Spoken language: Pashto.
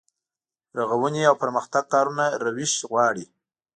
رغونې او پرمختګ کارونه روش غواړي.